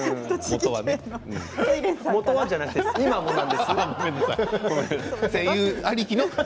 もとはじゃなくて今もです。